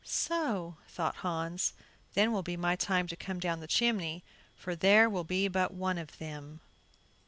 "So," thought Hans; "then will be my time to come down the chimney, for there will be but one of them."